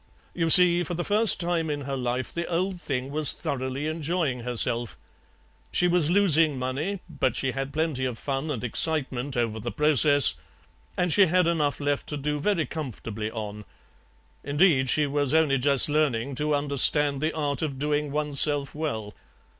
You see, for the first time in her life the old thing was thoroughly enjoying herself; she was losing money, but she had plenty of fun and excitement over the process, and she had enough left to do very comfortably on. Indeed, she was only just learning to understand the art of doing oneself well.